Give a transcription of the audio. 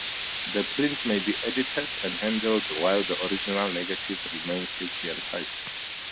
The print may be edited and handled while the original negative remains safely untouched.